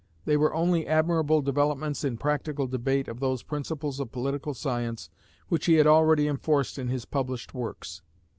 They were only admirable developments in practical debate of those principles of political science which he had already enforced in his published works.